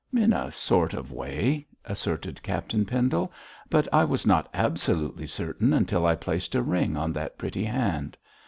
'In a sort of way,' asserted Captain Pendle; 'but I was not absolutely certain until I placed a ring on that pretty hand.